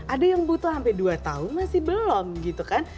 ada yang butuh sampai dua tahun masih belum gitu kan